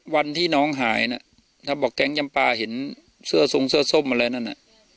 วันที่น้องหายนะถ้าบอกแก๊งยำปลาเห็นเสื้อทรงเสื้อส้มอะไรนั่นน่ะ